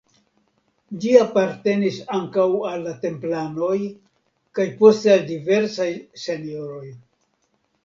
Ĝi apartenis ankaŭ al la Templanoj kaj poste al diversaj senjoroj.